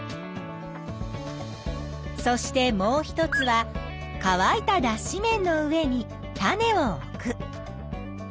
そしてもう一つはかわいただっし綿の上に種を置く。